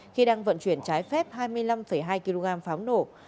khi đang vận chuyển trái phép hai mươi năm hai kg pháo nổ